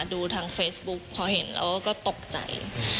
ดูทางเฟซบุ๊คพอเห็นแล้วก็ตกใจ